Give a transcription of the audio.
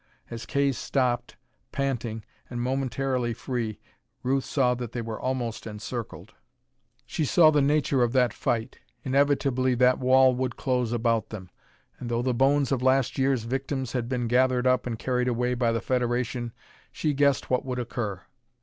As Kay stopped, panting, and momentarily free, Ruth saw that they were almost encircled. She saw the nature of that fight. Inevitably that wall would close about them; and, though the bones of last year's victims had been gathered up and carried away by the Federation, she guessed what would occur.